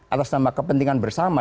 atas nama kepentingan bersama